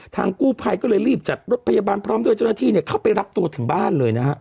กู้ภัยก็เลยรีบจัดรถพยาบาลพร้อมด้วยเจ้าหน้าที่เข้าไปรับตัวถึงบ้านเลยนะฮะ